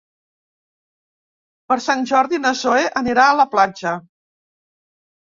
Per Sant Jordi na Zoè anirà a la platja.